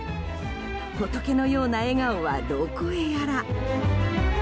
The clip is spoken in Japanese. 仏のような笑顔はどこへやら。